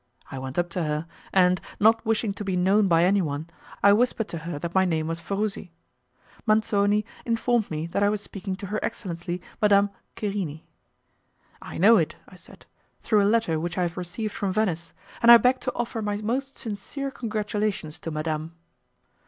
I went up to her, and, not wishing to be known by anyone, I whispered to her that my name was Farusi. Manzoni informed me that I was speaking to her excellency, Madame Querini. "I know it," I said, "through a letter which I have received from Venice, and I beg to offer my most sincere congratulations to Madame."